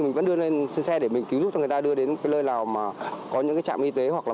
mình vẫn đưa lên xe để mình cứu giúp cho người ta đưa đến cái nơi nào mà có những cái trạm y tế hoặc là